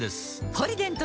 「ポリデント」